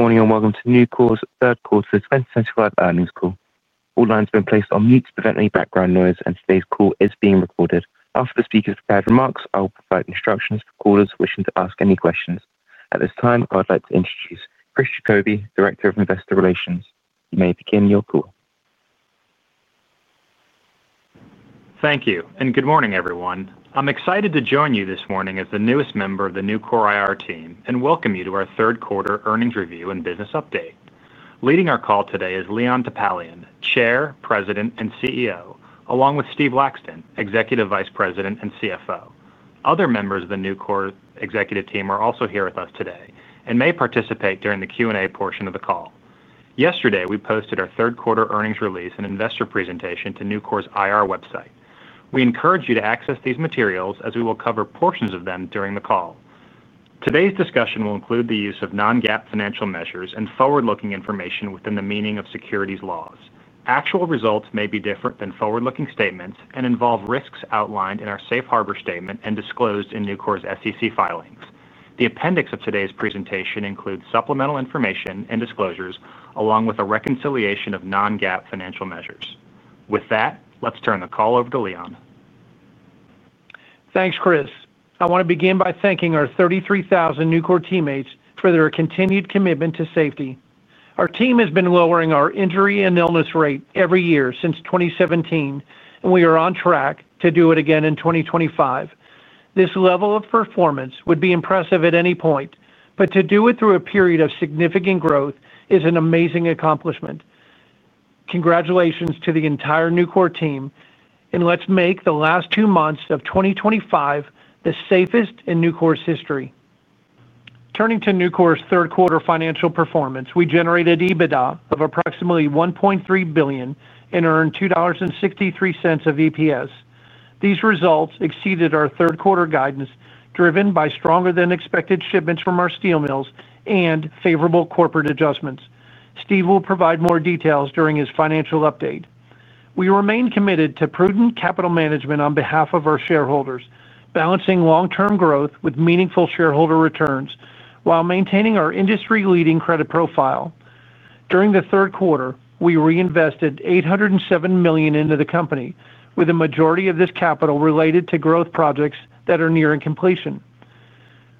morning and welcome to the Nucor Corporation third quarter 2025 earnings call. All lines have been placed on mute to prevent any background noise, and today's call is being recorded. After the speakers' prepared remarks, I will provide instructions for callers wishing to ask any questions. At this time, I would like to introduce Chris Jacobi, Director of Investor Relations. You may begin your call. Thank you, and good morning, everyone. I'm excited to join you this morning as the newest member of the Nucor IR team and welcome you to our third quarter earnings review and business update. Leading our call today is Leon Topalian, Chair, President, and CEO, along with Steve Laxton, Executive Vice President and CFO. Other members of the Nucor executive team are also here with us today and may participate during the Q&A portion of the call. Yesterday, we posted our third quarter earnings release and investor presentation to Nucor's IR website. We encourage you to access these materials as we will cover portions of them during the call. Today's discussion will include the use of non-GAAP financial measures and forward-looking information within the meaning of securities laws. Actual results may be different than forward-looking statements and involve risks outlined in our safe harbor statement and disclosed in Nucor's SEC filings. The appendix of today's presentation includes supplemental information and disclosures, along with a reconciliation of non-GAAP financial measures. With that, let's turn the call over to Leon. Thanks, Chris. I want to begin by thanking our 33,000 Nucor teammates for their continued commitment to safety. Our team has been lowering our injury and illness rate every year since 2017, and we are on track to do it again in 2025. This level of performance would be impressive at any point, but to do it through a period of significant growth is an amazing accomplishment. Congratulations to the entire Nucor team, and let's make the last two months of 2025 the safest in Nucor's history. Turning to Nucor's third quarter financial performance, we generated EBITDA of approximately $1.3 billion and earned $2.63 of EPS. These results exceeded our third quarter guidance, driven by stronger than expected shipments from our steel mills and favorable corporate adjustments. Steve will provide more details during his financial update. We remain committed to prudent capital management on behalf of our shareholders, balancing long-term growth with meaningful shareholder returns while maintaining our industry-leading credit profile. During the third quarter, we reinvested $807 million into the company, with the majority of this capital related to growth projects that are nearing completion.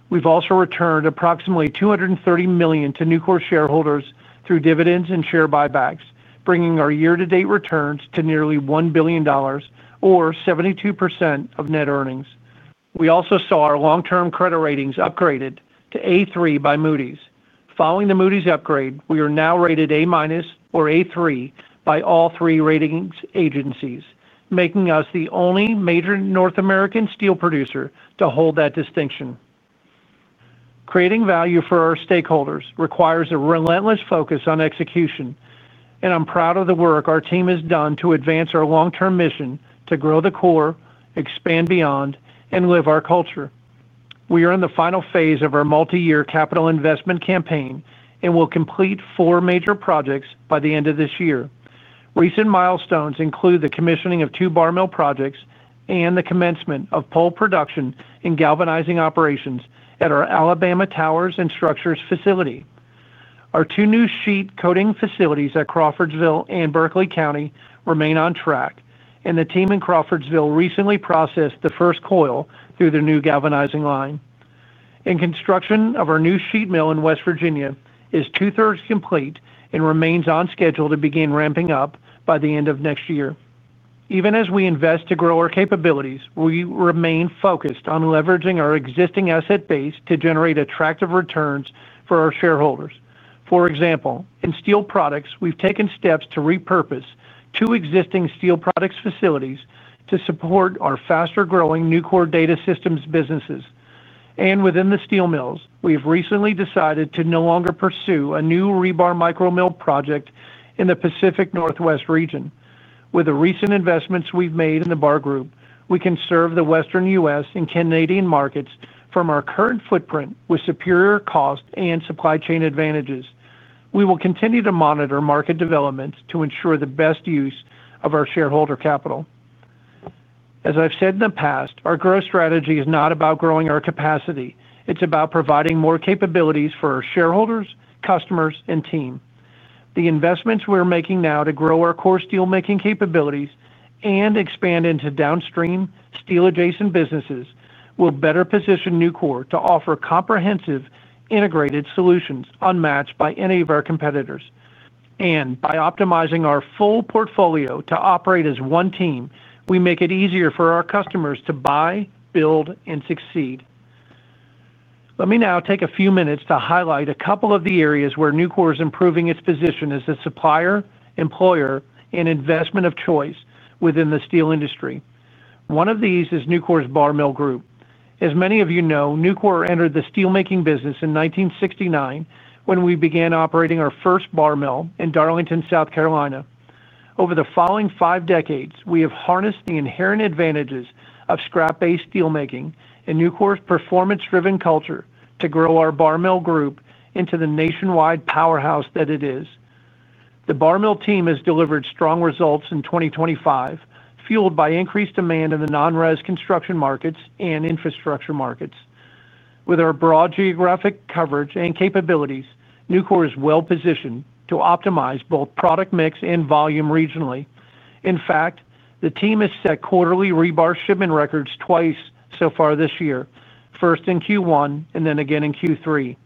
We've also returned approximately $230 million to Nucor shareholders through dividends and share buybacks, bringing our year-to-date returns to nearly $1 billion, or 72% of net earnings. We also saw our long-term credit ratings upgraded to A3 by Moody’s. Following the Moody’s upgrade, we are now rated A-minus or A3 by all three ratings agencies, making us the only major North American steel producer to hold that distinction. Creating value for our stakeholders requires a relentless focus on execution, and I'm proud of the work our team has done to advance our long-term mission to grow the core, expand beyond, and live our culture. We are in the final phase of our multi-year capital investment campaign and will complete four major projects by the end of this year. Recent milestones include the commissioning of two bar mill projects and the commencement of pole production and galvanizing operations at our Alabama Towers and Structures facility. Our two new sheet coating facilities at Crawfordsville and Berkeley County remain on track, and the team in Crawfordsville recently processed the first coil through the new galvanizing line. Construction of our new sheet mill in West Virginia is two-thirds complete and remains on schedule to begin ramping up by the end of next year. Even as we invest to grow our capabilities, we remain focused on leveraging our existing asset base to generate attractive returns for our shareholders. For example, in steel products, we've taken steps to repurpose two existing steel products facilities to support our faster-growing Nucor Data Systems businesses. Within the steel mills, we have recently decided to no longer pursue a new rebar micromill project in the Pacific Northwest region. With the recent investments we've made in the bar group, we can serve the Western U.S. and Canadian markets from our current footprint with superior cost and supply chain advantages. We will continue to monitor market developments to ensure the best use of our shareholder capital. As I've said in the past, our growth strategy is not about growing our capacity, it's about providing more capabilities for our shareholders, customers, and team. The investments we're making now to grow our core steelmaking capabilities and expand into downstream steel-adjacent businesses will better position Nucor to offer comprehensive, integrated solutions unmatched by any of our competitors. By optimizing our full portfolio to operate as one team, we make it easier for our customers to buy, build, and succeed. Let me now take a few minutes to highlight a couple of the areas where Nucor is improving its position as a supplier, employer, and investment of choice within the steel industry. One of these is Nucor's bar mill group. As many of you know, Nucor entered the steelmaking business in 1969 when we began operating our first bar mill in Darlington, South Carolina. Over the following five decades, we have harnessed the inherent advantages of scrap-based steelmaking and Nucor's performance-driven culture to grow our bar mill group into the nationwide powerhouse that it is. The bar mill team has delivered strong results in 2025, fueled by increased demand in the non-res construction markets and infrastructure markets. With our broad geographic coverage and capabilities, Nucor is well positioned to optimize both product mix and volume regionally. In fact, the team has set quarterly rebar shipment records twice so far this year, first in Q1 and then again in Q3.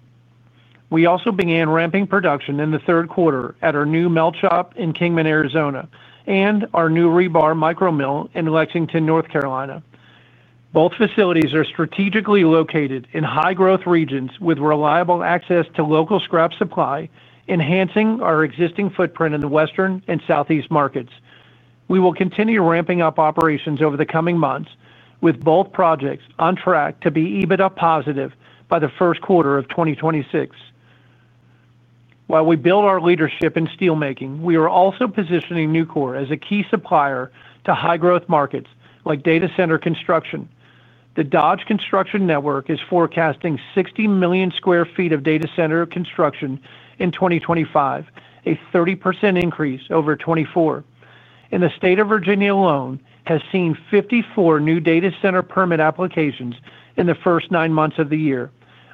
We also began ramping production in the third quarter at our new mill shop in Kingman, Arizona, and our new rebar micromill in Lexington, North Carolina. Both facilities are strategically located in high-growth regions with reliable access to local scrap supply, enhancing our existing footprint in the Western and Southeast markets. We will continue ramping up operations over the coming months, with both projects on track to be EBITDA positive by the first quarter of 2026. While we build our leadership in steelmaking, we are also positioning Nucor as a key supplier to high-growth markets like data center construction. The Dodge Construction Network is forecasting 60 million square feet of data center construction in 2025, a 30% increase over 2024. The state of Virginia alone has seen 54 new data center permit applications in the first nine months of the year,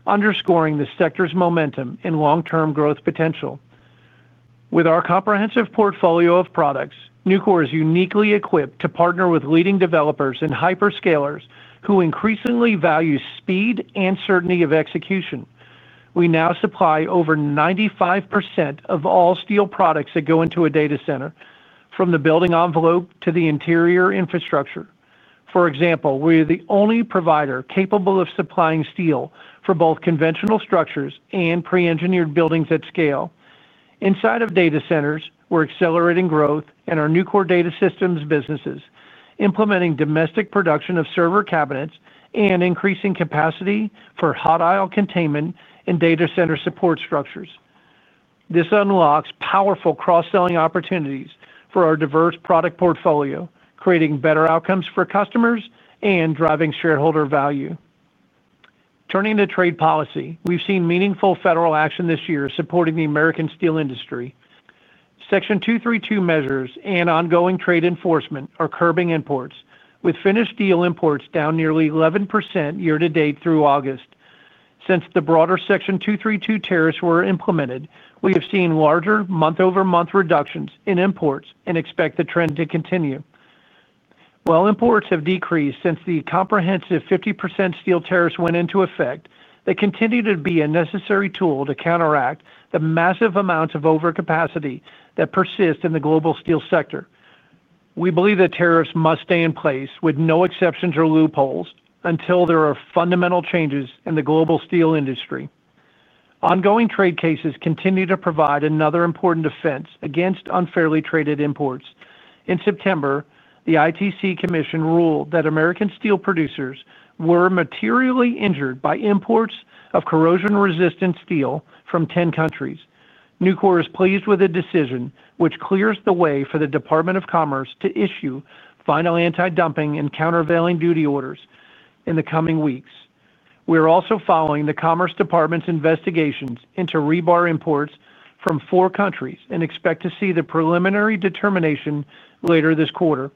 underscoring the sector's momentum and long-term growth potential. With our comprehensive portfolio of products, Nucor is uniquely equipped to partner with leading developers and hyperscalers who increasingly value speed and certainty of execution. We now supply over 95% of all steel products that go into a data center, from the building envelope to the interior infrastructure. For example, we are the only provider capable of supplying steel for both conventional structures and pre-engineered buildings at scale. Inside of data centers, we're accelerating growth in our Nucor Data Systems businesses, implementing domestic production of server cabinets and increasing capacity for hot aisle containment and data center support structures. This unlocks powerful cross-selling opportunities for our diverse product portfolio, creating better outcomes for customers and driving shareholder value. Turning to trade policy, we've seen meaningful federal action this year supporting the American steel industry. Section 232 measures and ongoing trade enforcement are curbing imports, with finished steel imports down nearly 11% year-to-date through August. Since the broader Section 232 tariffs were implemented, we have seen larger month-over-month reductions in imports and expect the trend to continue. While imports have decreased since the comprehensive 50% steel tariffs went into effect, they continue to be a necessary tool to counteract the massive amounts of overcapacity that persist in the global steel sector. We believe that tariffs must stay in place with no exceptions or loopholes until there are fundamental changes in the global steel industry. Ongoing trade cases continue to provide another important defense against unfairly traded imports. In September, the ITC ruled that American steel producers were materially injured by imports of corrosion-resistant steel from 10 countries. Nucor is pleased with the decision, which clears the way for the Department of Commerce to issue final anti-dumping and countervailing duty orders in the coming weeks. We are also following the Department of Commerce's investigations into rebar imports from four countries and expect to see the preliminary determination later this quarter.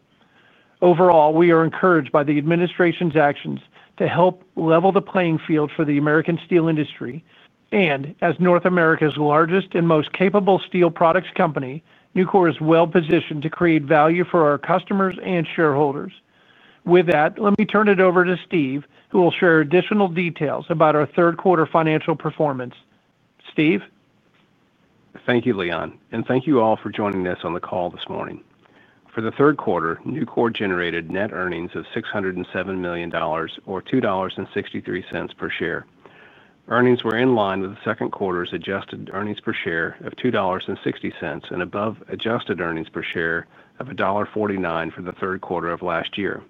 Overall, we are encouraged by the administration's actions to help level the playing field for the American steel industry. As North America's largest and most capable steel products company, Nucor is well positioned to create value for our customers and shareholders. With that, let me turn it over to Steve, who will share additional details about our third quarter financial performance. Steve. Thank you, Leon, and thank you all for joining us on the call this morning. For the third quarter, Nucor generated net earnings of $607 million or $2.63 per share. Earnings were in line with the second quarter's adjusted earnings per share of $2.60 and above adjusted earnings per share of $1.49 for the third quarter of last year.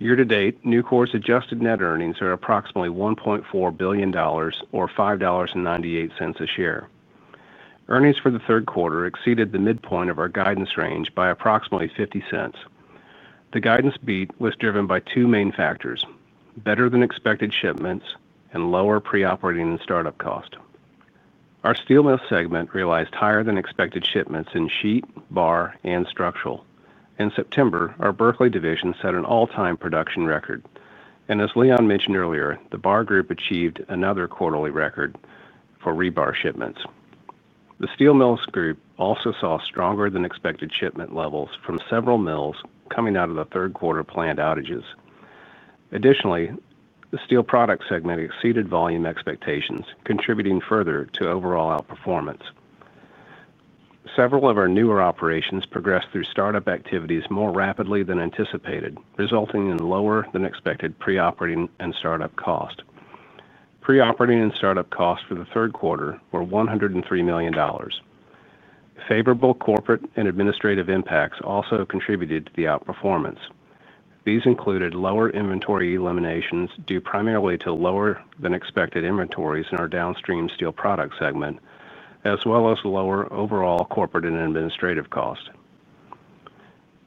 Year-to-date, Nucor's adjusted net earnings are approximately $1.4 billion or $5.98 a share. Earnings for the 1/3 quarter exceeded the midpoint of our guidance range by approximately $0.50. The guidance beat was driven by two main factors: better than expected shipments and lower pre-operating and startup cost. Our steel mill segment realized higher than expected shipments in sheet, bar, and structural. In September, our Berkeley division set an all-time production record. As Leon mentioned earlier, the bar group achieved another quarterly record for rebar shipments. The steel mills group also saw stronger than expected shipment levels from several mills coming out of the third quarter planned outages. Additionally, the steel product segment exceeded volume expectations, contributing further to overall outperformance. Several of our newer operations progressed through startup activities more rapidly than anticipated, resulting in lower than expected pre-operating and startup cost. Pre-operating and startup costs for the 1/3 quarter were $103 million. Favorable corporate and administrative impacts also contributed to the outperformance. These included lower inventory eliminations due primarily to lower than expected inventories in our downstream steel product segment, as well as lower overall corporate and administrative cost.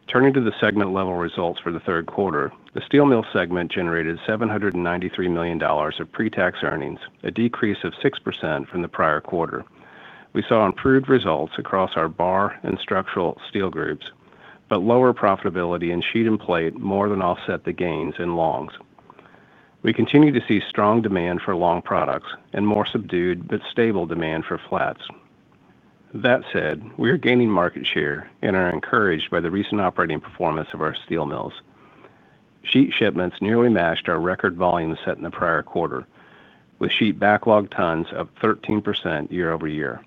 Turning to the segment-level results for the 1/3 quarter, the steel mill segment generated $793 million of pre-tax earnings, a decrease of 6% from the prior quarter. We saw improved results across our bar and structural steel groups, but lower profitability in sheet and plate more than offset the gains in longs. We continue to see strong demand for long products and more subdued but stable demand for flats. That said, we are gaining market share and are encouraged by the recent operating performance of our steel mills. Sheet shipments nearly matched our record volume set in the prior quarter, with sheet backlog tons up 13% year-over-year.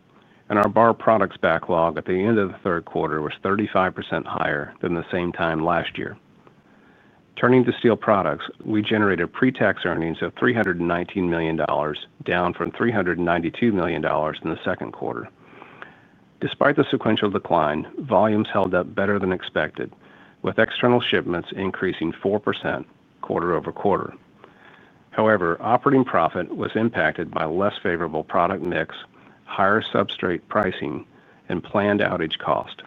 Our bar products backlog at the end of the third quarter was 35% higher than the same time last year. Turning to steel products, we generated pre-tax earnings of $319 million, down from $392 million in the second quarter. Despite the sequential decline, volumes held up better than expected, with external shipments increasing 4% quarter-over-quarter. However, operating profit was impacted by less favorable product mix, higher substrate pricing, and planned outage cost.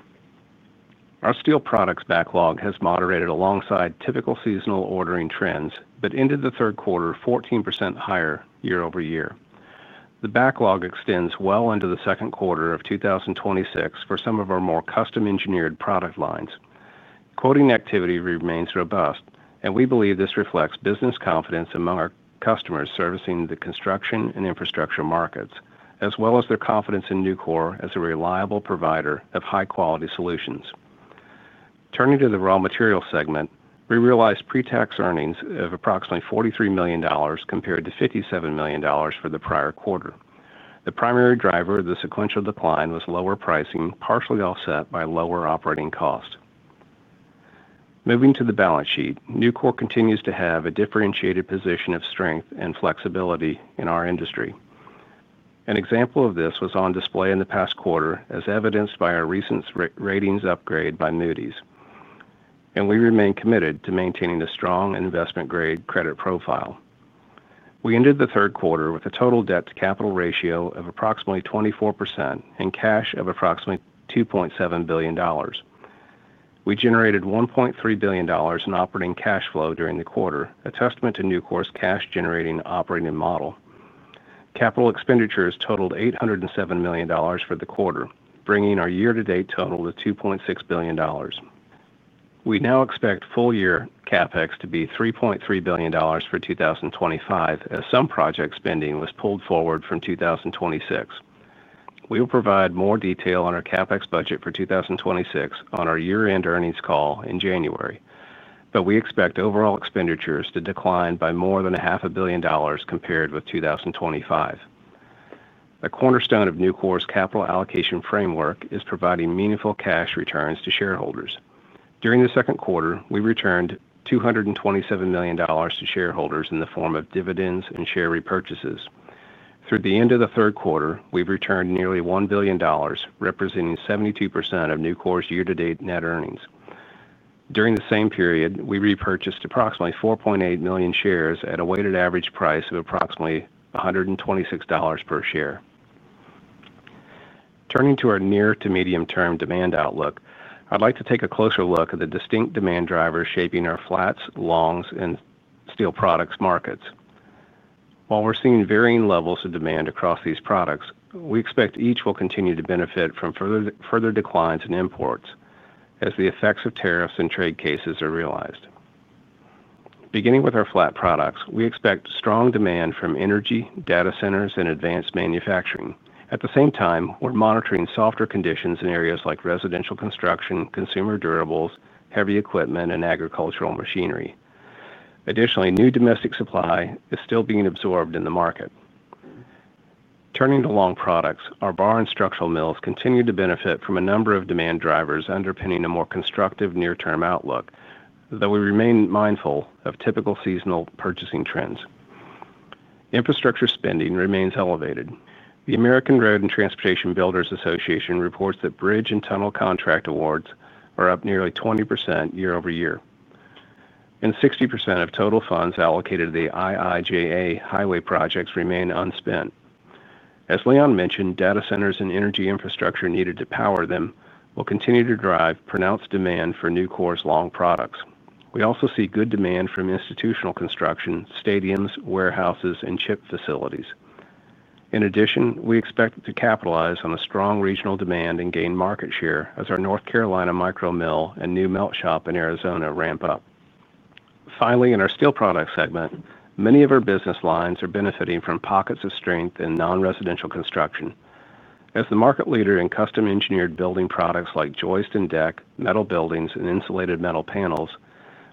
Our steel products backlog has moderated alongside typical seasonal ordering trends, but ended the third quarter 14% higher year-over-year. The backlog extends well into the second quarter of 2026 for some of our more custom-engineered product lines. Quoting activity remains robust, and we believe this reflects business confidence among our customers servicing the construction and infrastructure markets, as well as their confidence in Nucor as a reliable provider of high-quality solutions. Turning to the raw materials segment, we realized pre-tax earnings of approximately $43 million compared to $57 million for the prior quarter. The primary driver of the sequential decline was lower pricing, partially offset by lower operating cost. Moving to the balance sheet, Nucor continues to have a differentiated position of strength and flexibility in our industry. An example of this was on display in the past quarter, as evidenced by our recent ratings upgrade by Moody’s. We remain committed to maintaining a strong investment-grade credit profile. We entered the third quarter with a total debt-to-capital ratio of approximately 24% and cash of approximately $2.7 billion. We generated $1.3 billion in operating cash flow during the quarter, a testament to Nucor’s cash-generating operating model. Capital expenditures totaled $807 million for the quarter, bringing our year-to-date total to $2.6 billion. We now expect full-year CAPEX to be $3.3 billion for 2025, as some project spending was pulled forward from 2026. We will provide more detail on our CAPEX budget for 2026 on our year-end earnings call in January. We expect overall expenditures to decline by more than a half a billion dollars compared with 2025. A cornerstone of Nucor’s capital allocation framework is providing meaningful cash returns to shareholders. During the second quarter, we returned $227 million to shareholders in the form of dividends and share repurchases. Through the end of the third quarter, we’ve returned nearly $1 billion, representing 72% of Nucor’s year-to-date net earnings. During the same period, we repurchased approximately 4.8 million shares at a weighted average price of approximately $126 per share. Turning to our near to medium-term demand outlook, I'd like to take a closer look at the distinct demand drivers shaping our flats, longs, and steel products markets. While we're seeing varying levels of demand across these products, we expect each will continue to benefit from further declines in imports as the effects of tariffs and trade cases are realized. Beginning with our flat products, we expect strong demand from energy, data centers, and advanced manufacturing. At the same time, we're monitoring softer conditions in areas like residential construction, consumer durables, heavy equipment, and agricultural machinery. Additionally, new domestic supply is still being absorbed in the market. Turning to long products, our bar and structural mills continue to benefit from a number of demand drivers underpinning a more constructive near-term outlook, though we remain mindful of typical seasonal purchasing trends. Infrastructure spending remains elevated. The American Road and Transportation Builders Association reports that bridge and tunnel contract awards are up nearly 20% year-over-year. 60% of total funds allocated to the IIJA highway projects remain unspent. As Leon mentioned, data centers and energy infrastructure needed to power them will continue to drive pronounced demand for Nucor's long products. We also see good demand from institutional construction, stadiums, warehouses, and chip facilities. In addition, we expect to capitalize on the strong regional demand and gain market share as our North Carolina micromill and new mill shop in Arizona ramp up. Finally, in our steel products segment, many of our business lines are benefiting from pockets of strength in non-residential construction. As the market leader in custom-engineered building products like joist and deck, metal buildings, and insulated metal panels,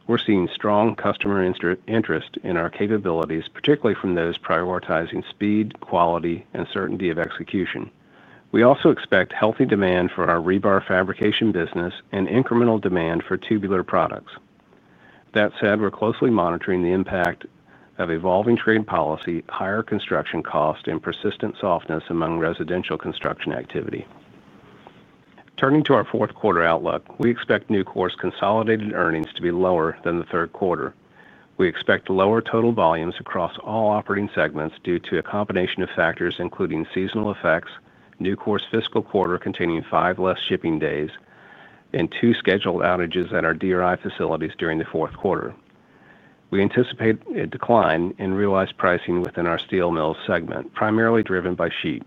we're seeing strong customer interest in our capabilities, particularly from those prioritizing speed, quality, and certainty of execution. We also expect healthy demand for our rebar fabrication business and incremental demand for tubular products. That said, we're closely monitoring the impact of evolving trade policy, higher construction cost, and persistent softness among residential construction activity. Turning to our fourth quarter outlook, we expect Nucor's consolidated earnings to be lower than the third quarter. We expect lower total volumes across all operating segments due to a combination of factors, including seasonal effects, Nucor's fiscal quarter containing five less shipping days, and two scheduled outages at our DRI facilities during the fourth quarter. We anticipate a decline in realized pricing within our steel mills segment, primarily driven by sheet.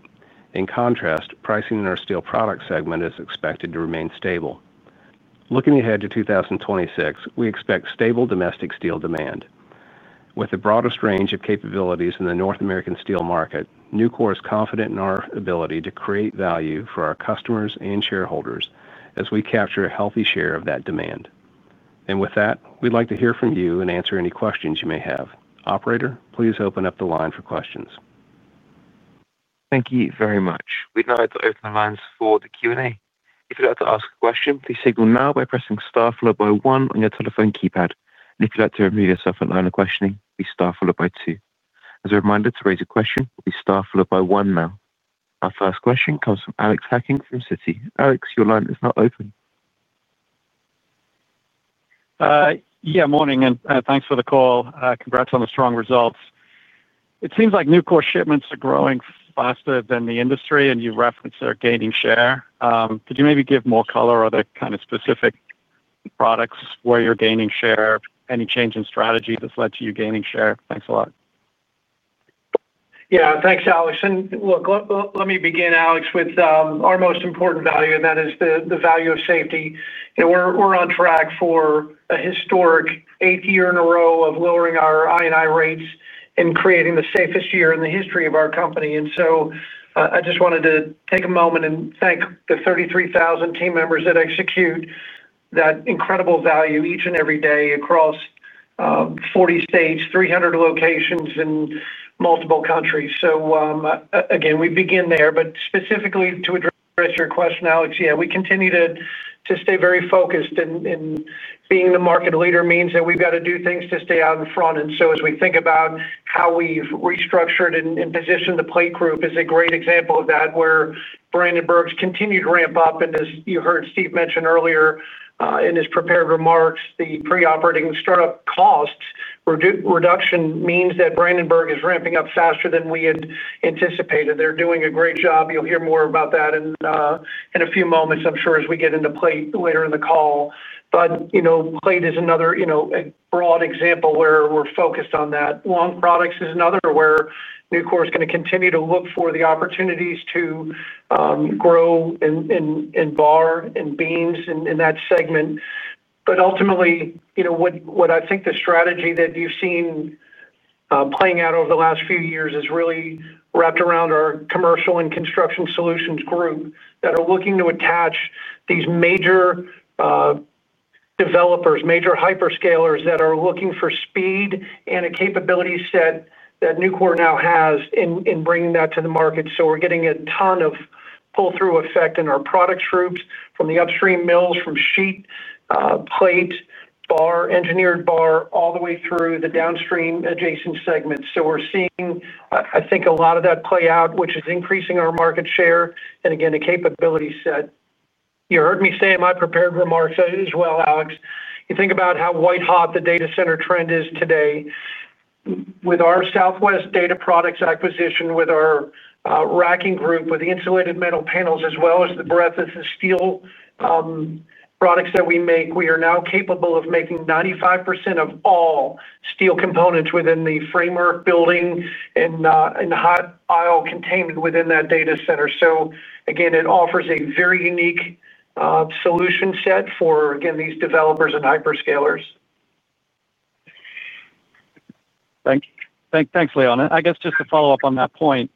In contrast, pricing in our steel products segment is expected to remain stable. Looking ahead to 2026, we expect stable domestic steel demand. With the broadest range of capabilities in the North American steel market, Nucor is confident in our ability to create value for our customers and shareholders as we capture a healthy share of that demand. We'd like to hear from you and answer any questions you may have. Operator, please open up the line for questions. Thank you very much. We'd now like to open the lines for the Q&A. If you'd like to ask a question, please signal now by pressing star followed by one on your telephone keypad. If you'd like to remove yourself from line of questioning, please star followed by two. As a reminder, to raise a question will be star followed by one now. Our first question comes from Alex Hacking from Citi. Alex, your line is now open. Yeah, morning, and thanks for the call. Congrats on the strong results. It seems like Nucor's shipments are growing faster than the industry, and you referenced they're gaining share. Could you maybe give more color or other kind of specific products where you're gaining share? Any change in strategy that's led to you gaining share? Thanks a lot. Yeah, thanks, Alex. Let me begin, Alex, with our most important value, and that is the value of safety. We're on track for a historic eighth year in a row of lowering our I&I rates and creating the safest year in the history of our company. I just wanted to take a moment and thank the 33,000 team members that execute that incredible value each and every day across 40 states, 300 locations, and multiple countries. We begin there, but specifically to address your question, Alex, we continue to stay very focused, and being the market leader means that we've got to do things to stay out in front. As we think about how we've restructured and positioned the plate group, it's a great example of that where Brandenburg's continued ramp up. As you heard Steve mention earlier in his prepared remarks, the pre-operating and startup cost reduction means that Brandenburg is ramping up faster than we had anticipated. They're doing a great job. You'll hear more about that in a few moments, I'm sure, as we get into plate later in the call. Plate is another broad example where we're focused on that. Long products is another where Nucor is going to continue to look for the opportunities to grow in bar and beams in that segment. Ultimately, what I think the strategy that you've seen playing out over the last few years is really wrapped around our commercial and construction solutions group that are looking to attach these major developers, major hyperscalers that are looking for speed and a capability set that Nucor now has in bringing that to the market. We're getting a ton of pull-through effect in our products groups from the upstream mills, from sheet, plate, bar, engineered bar, all the way through the downstream adjacent segments. We're seeing, I think, a lot of that play out, which is increasing our market share and, again, a capability set. You heard me say in my prepared remarks as well, Alex. You think about how white-hot the data center trend is today. With our Southwest Data Products acquisition, with our racking group, with the insulated metal panels, as well as the breadth of the steel products that we make, we are now capable of making 95% of all steel components within the framework, building, and in the high aisle containment within that data center. It offers a very unique solution set for, again, these developers and hyperscalers. Thanks, Leon. I guess just to follow up on that point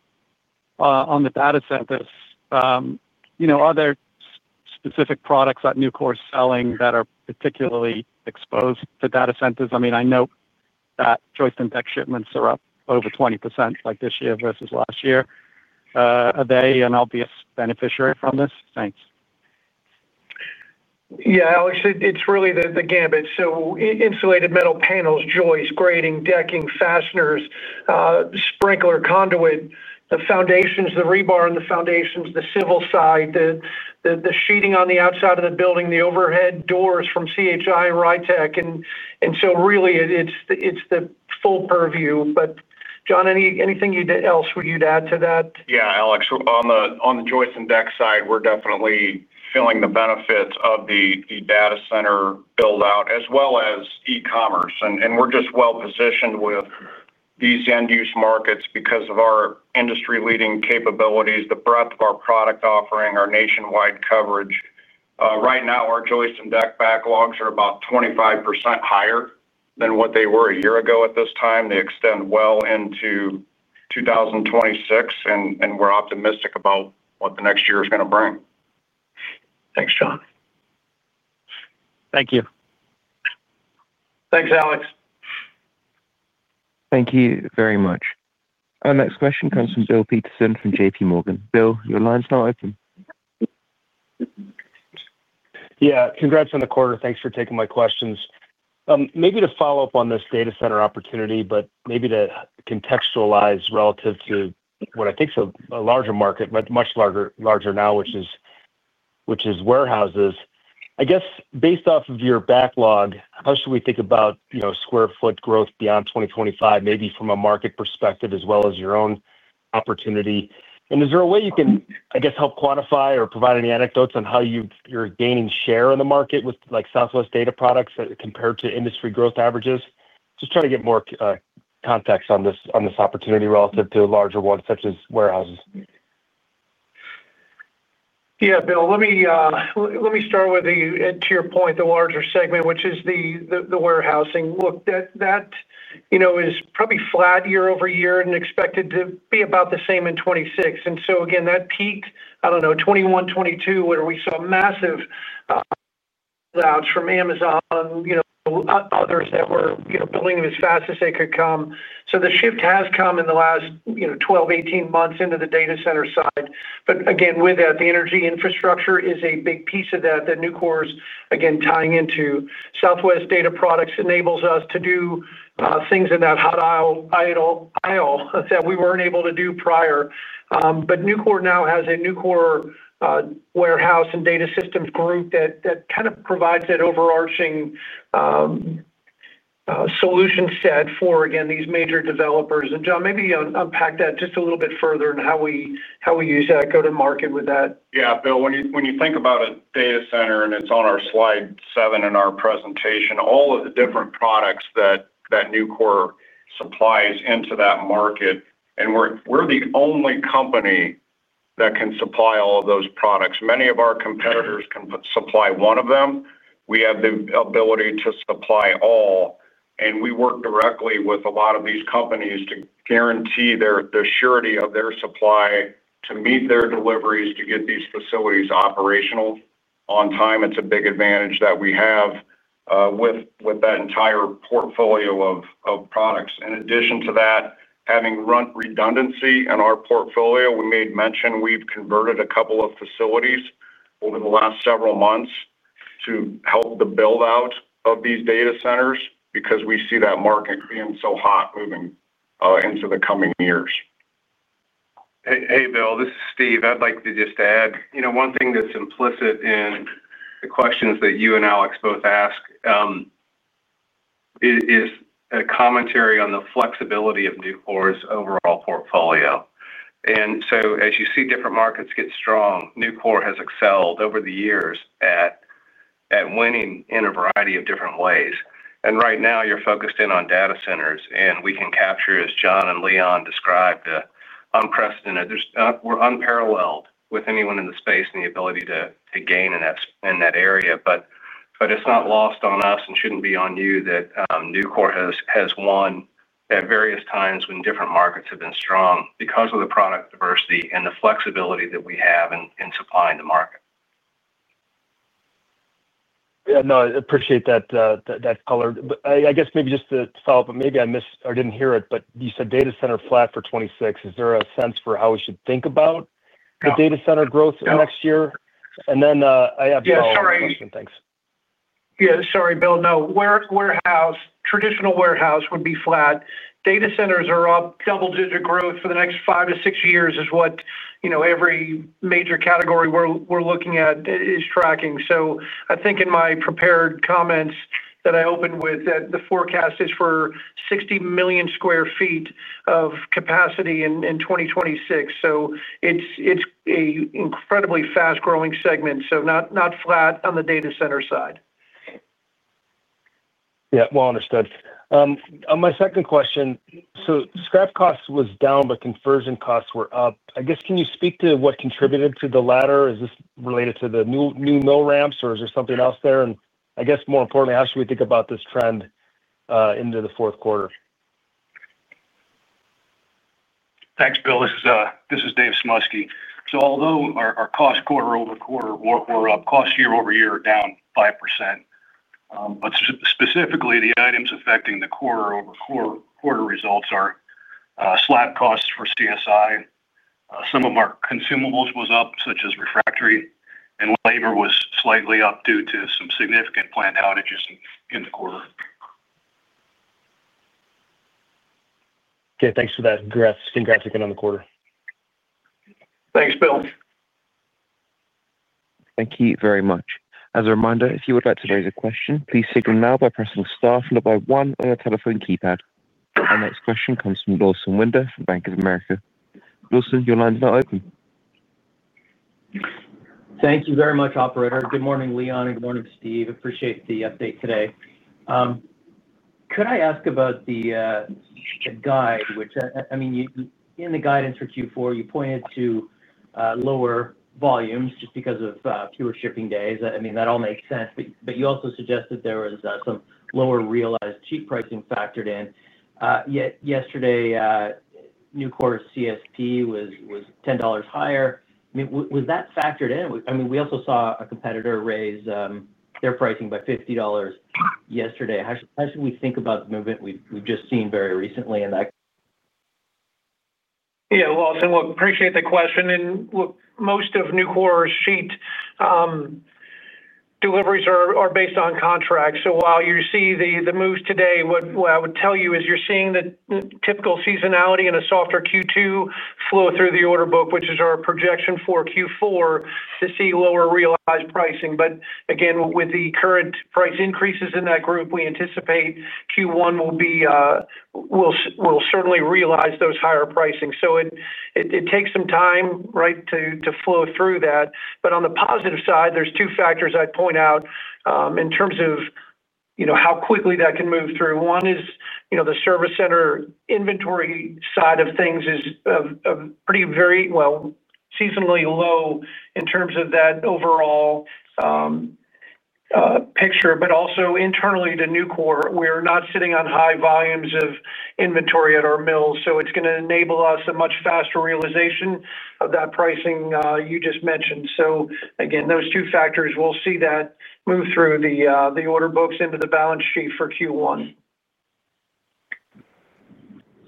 on the data centers, you know, are there specific products that Nucor's selling that are particularly exposed to data centers? I mean, I know that joist and deck shipments are up over 20% this year versus last year. Are they an obvious beneficiary from this? Thanks. Yeah, Alex, it's really the gambit. Insulated metal panels, joists, grating, decking, fasteners, sprinkler conduit, the foundations, the rebar on the foundations, the civil side, the sheeting on the outside of the building, the overhead doors from CHI and Rytech. It's the full purview. But John, anything else would you add to that? Yeah, Alex. On the joist and deck side, we're definitely feeling the benefits of the data center build-out, as well as e-commerce. We're just well positioned with these end-use markets because of our industry-leading capabilities, the breadth of our product offering, and our nationwide coverage. Right now, our joist and deck backlogs are about 25% higher than what they were a year ago at this time. They extend well into 2026, and we're optimistic about what the next year is going to bring. Thanks, John. Thank you. Thanks, Alex. Thank you very much. Our next question comes from Bill Peterson from JPMorgan. Bill, your line's now open. Yeah, congrats on the quarter. Thanks for taking my questions. Maybe to follow up on this data center opportunity, but maybe to contextualize relative to what I think is a larger market, but much larger now, which is warehouses. I guess based off of your backlog, how should we think about square foot growth beyond 2025, maybe from a market perspective as well as your own opportunity? Is there a way you can, I guess, help quantify or provide any anecdotes on how you're gaining share in the market with like Southwest Data Products compared to industry growth averages? Just trying to get more context on this opportunity relative to larger ones such as warehouses. Yeah, Bill, let me start with, to your point, the larger segment, which is the warehousing. Look, that you know is probably flat year over year and expected to be about the same in 2026. That peaked, I don't know, 2021, 2022, where we saw massive layouts from Amazon, you know, others that were, you know, building them as fast as they could come. The shift has come in the last, you know, 12, 18 months into the data center side. With that, the energy infrastructure is a big piece of that that Nucor is, again, tying into. Southwest Data Products enable us to do things in that hot aisle that we weren't able to do prior. Nucor now has a Nucor Warehouse and Data Systems group that kind of provides that overarching solution set for, again, these major developers. John, maybe you unpack that just a little bit further and how we use that go to market with that. Yeah, Bill, when you think about a data center, and it's on our slide seven in our presentation, all of the different products that Nucor supplies into that market, and we're the only company that can supply all of those products. Many of our competitors can supply one of them. We have the ability to supply all, and we work directly with a lot of these companies to guarantee the surety of their supply to meet their deliveries to get these facilities operational on time. It's a big advantage that we have with that entire portfolio of products. In addition to that, having redundancy in our portfolio, we made mention we've converted a couple of facilities over the last several months to help the build-out of these data centers because we see that market being so hot moving into the coming years. Hey, Bill, this is Steve. I'd like to just add, you know, one thing that's implicit in the questions that you and Alex both ask is a commentary on the flexibility of Nucor's overall portfolio. As you see different markets get strong, Nucor has excelled over the years at winning in a variety of different ways. Right now, you're focused in on data centers, and we can capture, as John and Leon described, the unprecedented—we're unparalleled with anyone in the space and the ability to gain in that area. It's not lost on us and shouldn't be on you that Nucor has won at various times when different markets have been strong because of the product diversity and the flexibility that we have in supplying the market. I appreciate that color. I guess maybe just to follow up, maybe I missed or didn't hear it, but you said data center flat for 2026. Is there a sense for how we should think about the data center growth next year? And then I pose a question. Thanks. Sorry, Bill. No, traditional warehouse would be flat. Data centers are up double-digit growth for the next five to six years is what every major category we're looking at is tracking. I think in my prepared comments that I opened with that the forecast is for 60 million square feet of capacity in 2026. It's an incredibly fast-growing segment, so not flat on the data center side. Yeah, understood. On my second question, scrap costs were down, but conversion costs were up. Can you speak to what contributed to the latter? Is this related to the new mill ramps, or is there something else there? More importantly, how should we think about this trend into the fourth quarter? Thanks, Bill. This is Dave Sumoski. Although our cost quarter-over-quarter were up, cost year over year are down 5%. Specifically, the items affecting the quarter over quarter results are slab costs for CSI. Some of our consumables were up, such as refractory, and labor was slightly up due to some significant planned outages in the quarter. Okay, thanks for that. Congrats again on the quarter. Thanks, Bill. Thank you very much. As a reminder, if you would like to raise a question, please signal now by pressing star followed by one on your telephone keypad. Our next question comes from Lawson Winder from Bank of America. Lawson, your line's now open. Thank you very much, operator. Good morning, Leon, and good morning, Steve. Appreciate the update today. Could I ask about the guide, which I mean, in the guidance for Q4, you pointed to lower volumes just because of fewer shipping days. That all makes sense. You also suggested there was some lower realized sheet pricing factored in. Yesterday, Nucor's CRU was $10 higher. Was that factored in? We also saw a competitor raise their pricing by $50 yesterday. How should we think about the movement we've just seen very recently in that? Yeah, Lawson, appreciate the question. Most of Nucor's sheet deliveries are based on contracts. While you see the moves today, what I would tell you is you're seeing the typical seasonality in a softer Q2 flow through the order book, which is our projection for Q4, to see lower realized pricing. Again, with the current price increases in that group, we anticipate Q1 will be we'll certainly realize those higher pricings. It takes some time, right, to flow through that. On the positive side, there are two factors I'd point out in terms of how quickly that can move through. One is the service center inventory side of things is pretty, very, well, seasonally low in terms of that overall picture. Also, internally to Nucor, we are not sitting on high volumes of inventory at our mills. It's going to enable us a much faster realization of that pricing you just mentioned. Those two factors, we'll see that move through the order books into the balance sheet for Q1.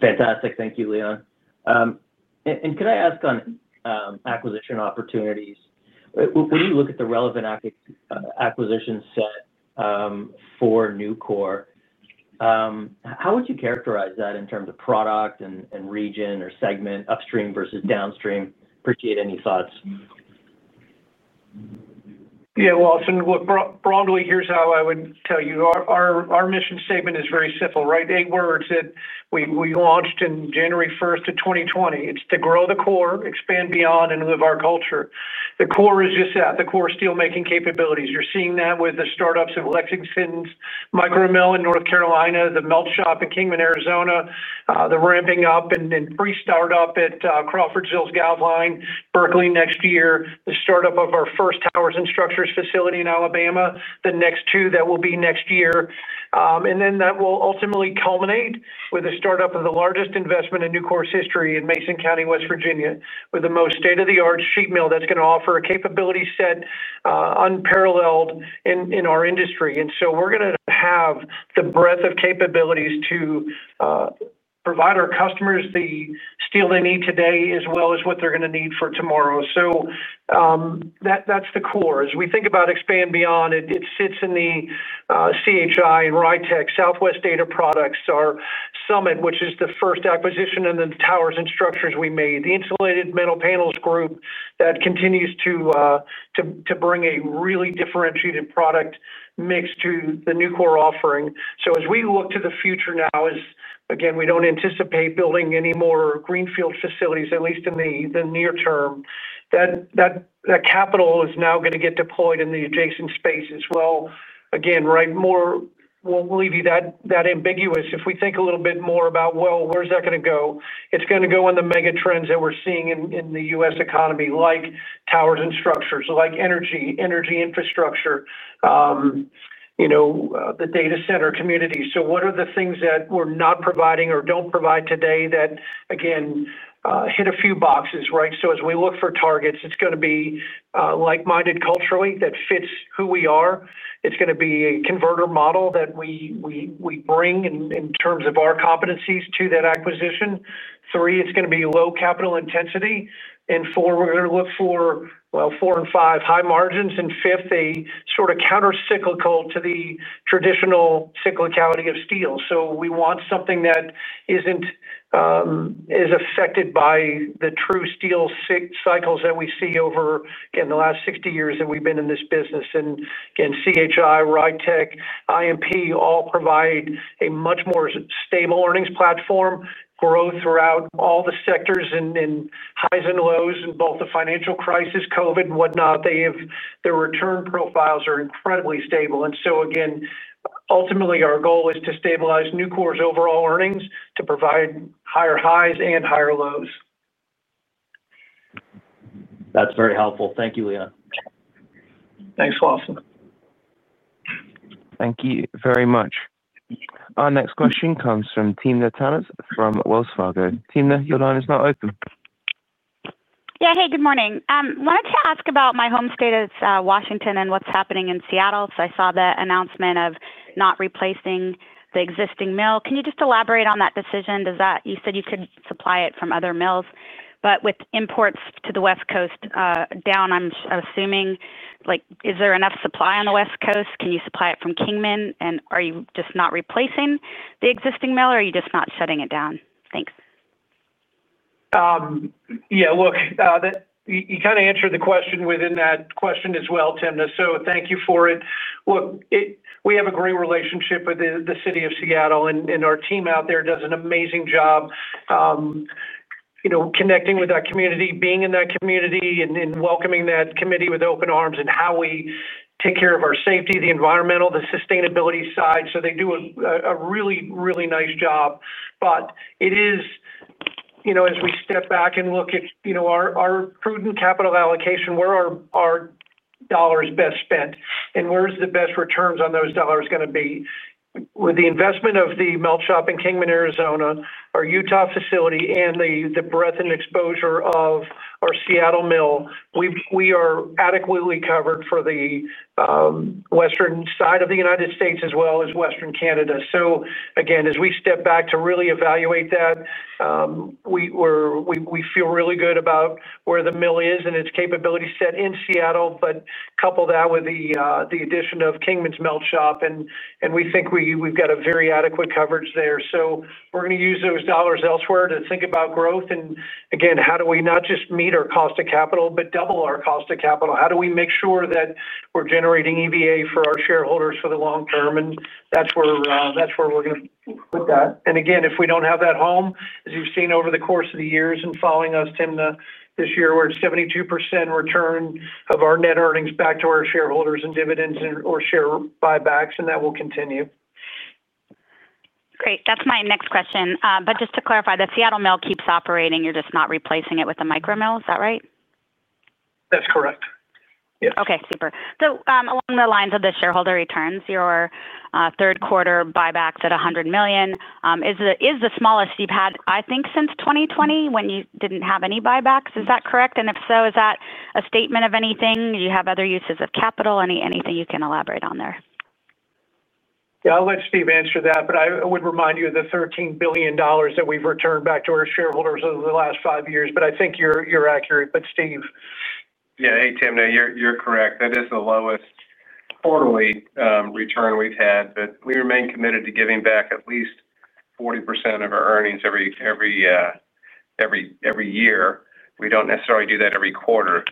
Fantastic. Thank you, Leon. Could I ask on acquisition opportunities? When you look at the relevant acquisition set for Nucor, how would you characterize that in terms of product and region or segment, upstream versus downstream? Appreciate any thoughts. Yeah, Lawson, broadly, here's how I would tell you. Our mission statement is very simple, right? Eight words that we launched on January 1st, 2020. It's to grow the core, expand beyond, and live our culture. The core is just that, the core steelmaking capabilities. You're seeing that with the startups of Lexington's bar mill in North Carolina, the melt shop in Kingman, Arizona, the ramping up and pre-startup at Crawfordsville's sheet coating facility, Berkeley next year, the startup of our first towers and structures facility in Alabama, the next two that will be next year. That will ultimately culminate with the startup of the largest investment in Nucor's history in Mason County, West Virginia, with the most state-of-the-art sheet mill that's going to offer a capability set unparalleled in our industry. We're going to have the breadth of capabilities to provide our customers the steel they need today, as well as what they're going to need for tomorrow. That's the core. As we think about expand beyond, it sits in the CHI and Rytec, Southwest Data Products, our Summit, which is the first acquisition in the towers and structures we made, the insulated metal panels group that continues to bring a really differentiated product mix to the Nucor offering. As we look to the future now, we don't anticipate building any more greenfield facilities, at least in the near term. That capital is now going to get deployed in the adjacent space as well. More, we'll leave you that ambiguous if we think a little bit more about, well, where's that going to go? It's going to go in the megatrends that we're seeing in the U.S. economy, like towers and structures, like energy, energy infrastructure, the data center community. What are the things that we're not providing or don't provide today that, again, hit a few boxes, right? As we look for targets, it's going to be like-minded culturally that fits who we are. It's going to be a converter model that we bring in terms of our competencies to that acquisition. Three, it's going to be low capital intensity. Four, we're going to look for high margins. Fifth, a sort of countercyclical to the traditional cyclicality of steel. We want something that isn't as affected by the true steel cycles that we see over the last 60 years that we've been in this business. CHI, Rytec, IMP all provide a much more stable earnings platform, growth throughout all the sectors, and highs and lows in both the financial crisis, COVID, and whatnot. Their return profiles are incredibly stable. Ultimately, our goal is to stabilize Nucor's overall earnings to provide higher highs and higher lows. That's very helpful. Thank you, Leon. Thanks, Wilson. Thank you very much. Our next question comes from Timna Tanners from Wells Fargo. Timna, your line is now open. Yeah, hey, good morning. I wanted to ask about my home state of Washington and what's happening in Seattle. I saw the announcement of not replacing the existing mill. Can you just elaborate on that decision? You said you could supply it from other mills, but with imports to the West Coast down, I'm assuming, like is there enough supply on the West Coast? Can you supply it from Kingman, and are you just not replacing the existing mill, or are you just not shutting it down? Thanks. Yeah, look, you kind of answered the question within that question as well, Tina. Thank you for it. We have a great relationship with the city of Seattle, and our team out there does an amazing job connecting with that community, being in that community, and welcoming that community with open arms and how we take care of our safety, the environmental, the sustainability side. They do a really, really nice job. It is, as we step back and look at our prudent capital allocation, where are our dollars best spent? Where's the best returns on those dollars going to be? With the investment of the melt shop in Kingman, Arizona, our Utah facility, and the breadth and exposure of our Seattle mill, we are adequately covered for the western side of the United States as well as western Canada. As we step back to really evaluate that, we feel really good about where the mill is and its capability set in Seattle. Couple that with the addition of Kingman's melt shop, and we think we've got a very adequate coverage there. We're going to use those dollars elsewhere to think about growth. Again, how do we not just meet our cost of capital, but double our cost of capital? How do we make sure that we're generating EVA for our shareholders for the long term? That's where we're going to put that. If we don't have that home, as you've seen over the course of the years and following us, Tina, this year, we're at 72% return of our net earnings back to our shareholders in dividends or share buybacks, and that will continue. Great. That's my next question. Just to clarify, the Seattle mill keeps operating. You're just not replacing it with a micromill. Is that right? That's correct, yes. Okay, super. Along the lines of the shareholder returns, your third quarter buybacks at $100 million is the smallest you've had, I think, since 2020 when you didn't have any buybacks. Is that correct? If so, is that a statement of anything? Do you have other uses of capital? Anything you can elaborate on there? Yeah, I'll let Steve answer that. I would remind you of the $13 billion that we've returned back to our shareholders over the last five years. I think you're accurate. Steve. Yeah, hey, Timna, you're correct. That is the lowest quarterly return we've had. We remain committed to giving back at least 40% of our earnings every year. We don't necessarily do that every quarter.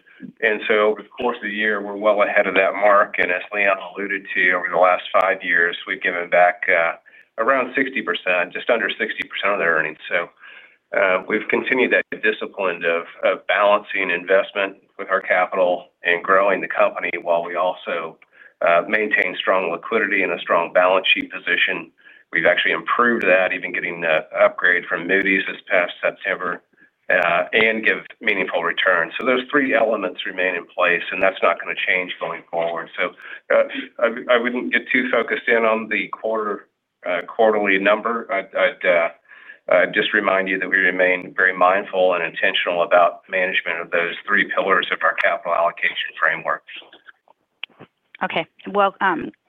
Over the course of the year, we're well ahead of that mark. As Leon alluded to, over the last five years, we've given back around 60%, just under 60% of our earnings. We've continued that discipline of balancing investment with our capital and growing the company while we also maintain strong liquidity and a strong balance sheet position. We've actually improved that, even getting the upgrade from Moody’s this past September and give meaningful returns. Those three elements remain in place, and that's not going to change going forward. I wouldn't get too focused in on the quarterly number. I'd just remind you that we remain very mindful and intentional about management of those three pillars of our capital allocation framework. Okay,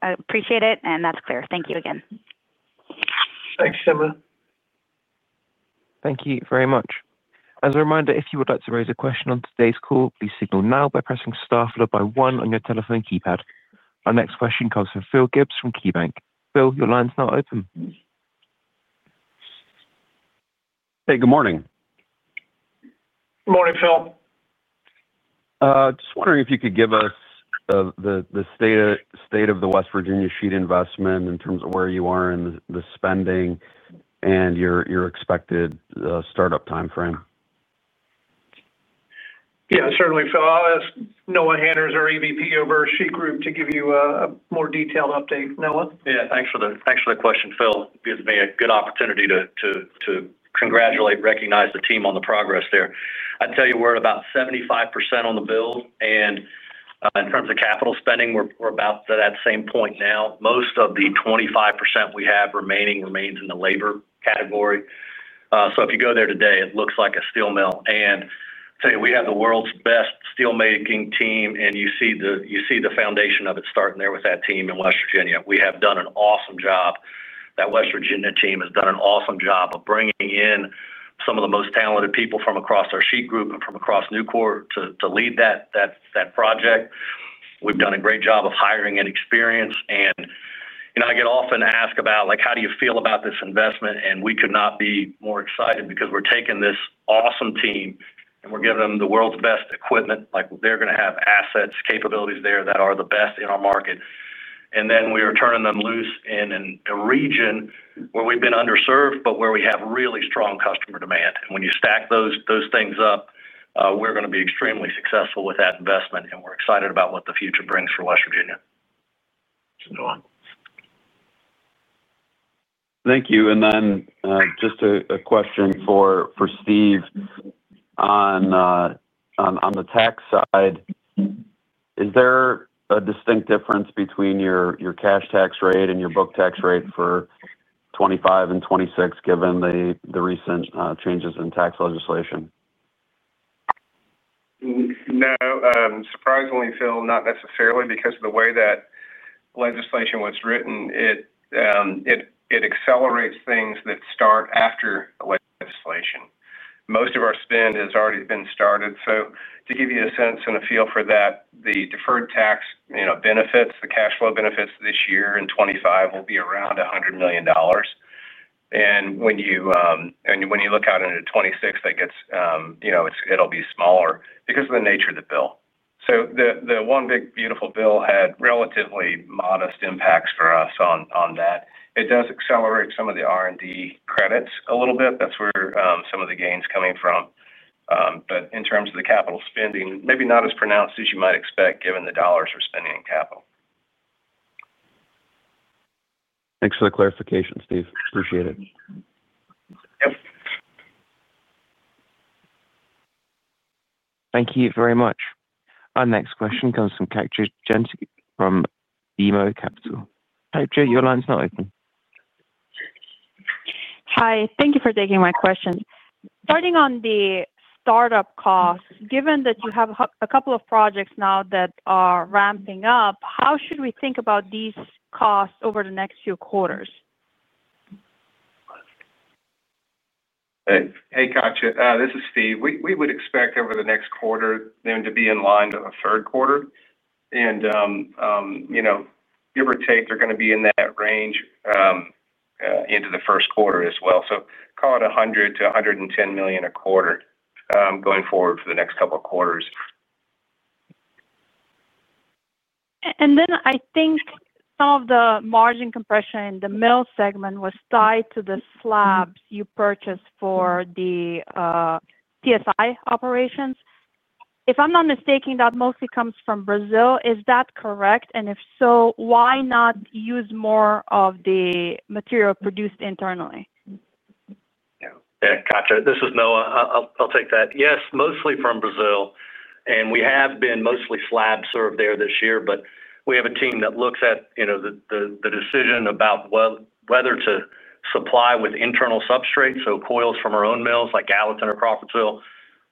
I appreciate it, and that's clear. Thank you again. Thanks, Timna. Thank you very much. As a reminder, if you would like to raise a question on today's call, please signal now by pressing star followed by one on your telephone keypad. Our next question comes from Phil Gibbs from KeyBanc. Phil, your line's now open. Hey, good morning. Morning, Phil. Just wondering if you could give us the state of the West Virginia sheet investment in terms of where you are in the spending and your expected startup timeframe. Yeah, certainly, Phil. I'll ask Noah Hanners, our EVP over our Sheet Group, to give you a more detailed update. Noah? Yeah, thanks for the question, Phil. It gives me a good opportunity to congratulate, recognize the team on the progress there. I'd tell you we're at about 75% on the build, and in terms of capital spending, we're about to that same point now. Most of the 25% we have remaining remains in the labor category. If you go there today, it looks like a steel mill. I tell you, we have the world's best steelmaking team, and you see the foundation of it starting there with that team in West Virginia. We have done an awesome job. That West Virginia team has done an awesome job of bringing in some of the most talented people from across our sheet group and from across Nucor to lead that project. We've done a great job of hiring and experience. You know I get often asked about like, how do you feel about this investment? We could not be more excited because we're taking this awesome team, and we're giving them the world's best equipment. They're going to have assets, capabilities there that are the best in our market. We are turning them loose in a region where we've been underserved, but where we have really strong customer demand. When you stack those things up, we're going to be extremely successful with that investment, and we're excited about what the future brings for West Virginia. Thank you. Just a question for Steve on the tax side. Is there a distinct difference between your cash tax rate and your book tax rate for 2025 and 2026, given the recent changes in tax legislation? No. Surprisingly, Phil, not necessarily, because of the way that legislation was written, it accelerates things that start after legislation. Most of our spend has already been started. To give you a sense and a feel for that, the deferred tax benefits, the cash flow benefits this year and in 2025 will be around $100 million. When you look out into 2026, that gets smaller because of the nature of the bill. The one big beautiful bill had relatively modest impacts for us on that. It does accelerate some of the R&D credits a little bit. That's where some of the gain is coming from. In terms of the capital spending, maybe not as pronounced as you might expect, given the dollars we're spending in capital. Thanks for the clarification, Steve. Appreciate it. Yep. Thank you very much. Our next question comes from Katja Jancic from Emo Capital. Katja, your line's now open. Hi. Thank you for taking my question. Starting on the startup costs, given that you have a couple of projects now that are ramping up, how should we think about these costs over the next few quarters? Hey, Katja. This is Steve. We would expect over the next quarter them to be in line to a third quarter. You know, give or take, they're going to be in that range into the first quarter as well. Call it $100 million to $110 million a quarter going forward for the next couple of quarters. I think some of the margin compression in the mill segment was tied to the slabs you purchased for the CSI operations. If I'm not mistaken, that mostly comes from Brazil. Is that correct? If so, why not use more of the material produced internally? Yeah, Katja, this is Noah. I'll take that. Yes, mostly from Brazil. We have been mostly slab served there this year, but we have a team that looks at the decision about whether to supply with internal substrate, so coils from our own mills like Gallatin or Crawfordsville,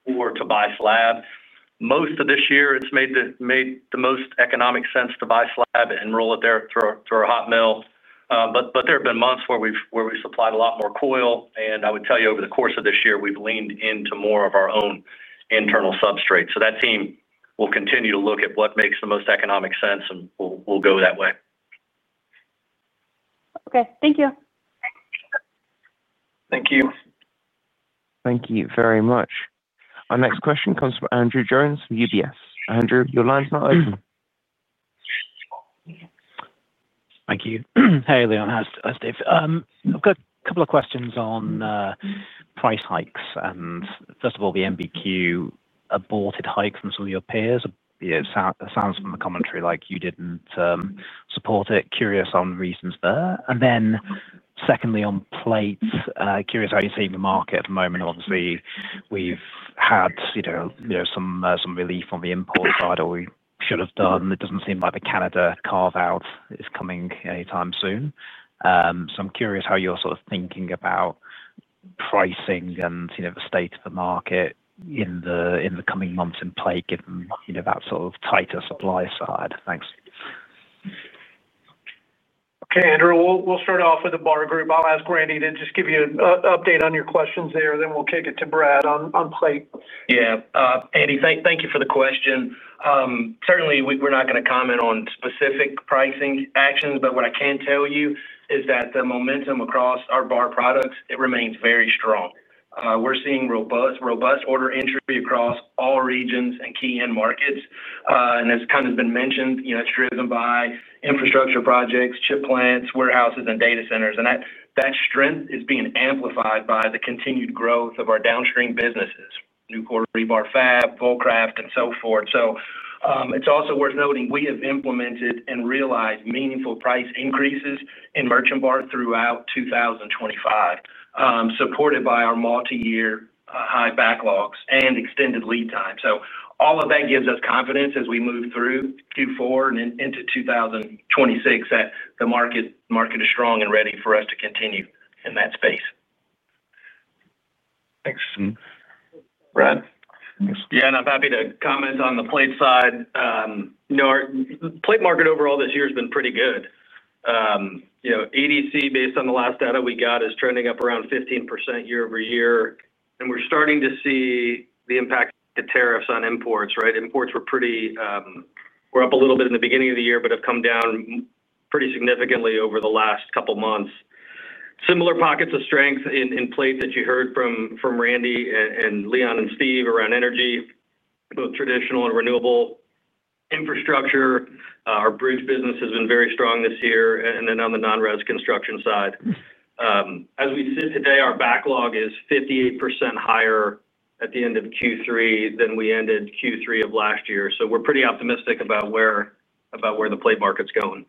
or to buy slab. Most of this year, it's made the most economic sense to buy slab and roll it there through our hot mill. There have been months where we've supplied a lot more coil. I would tell you, over the course of this year, we've leaned into more of our own internal substrate. That team will continue to look at what makes the most economic sense, and we'll go that way. Okay, thank you. Thank you. Thank you very much. Our next question comes from Andrew Jones from UBS. Andrew, your line's now open. Thank you. Hey, Leon. Hi, Steve. I've got a couple of questions on price hikes. First of all, the MBQ aborted hike from some of your peers. It sounds from the commentary like you didn't support it. Curious on reasons there. Secondly, on plates, curious how you're seeing the market at the moment. Obviously, we've had some relief on the import side, or we should have done. It doesn't seem like the Canada carve-out is coming anytime soon. I'm curious how you're sort of thinking about pricing and the state of the market in the coming months in plate, given that sort of tighter supply side. Thanks. Okay, Andrew, we'll start off with the bar group. I'll ask Randy Spicer to just give you an update on your questions there. We'll kick it to Brad on plate. Yeah, Andy, thank you for the question. Certainly, we're not going to comment on specific pricing actions, but what I can tell you is that the momentum across our bar products remains very strong. We're seeing robust order entry across all regions and key end markets. As has been mentioned, you know, it's driven by infrastructure projects, chip plants, warehouses, and data centers. That strength is being amplified by the continued growth of our downstream businesses: Newport Rebar Fab, Fulcraft, and so forth. It's also worth noting we have implemented and realized meaningful price increases in merchant bar throughout 2025, supported by our multi-year high backlogs and extended lead time. All of that gives us confidence as we move through Q4 and into 2026 that the market is strong and ready for us to continue in that space. Thanks. Brad? Yeah, and I'm happy to comment on the plate side. You know, our plate market overall this year has been pretty good. You know, EDC, based on the last data we got, is trending up around 15% year over year. We're starting to see the impact. The tariffs on imports, right? Imports were up a little bit in the beginning of the year, but have come down pretty significantly over the last couple of months. Similar pockets of strength in plate that you heard from Randy and Leon and Steve around energy, both traditional and renewable infrastructure. Our bridge business has been very strong this year. On the non-res construction side, as we sit today, our backlog is 58% higher at the end of Q3 than we ended Q3 of last year. We're pretty optimistic about where the plate market's going.